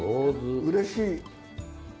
うれしい。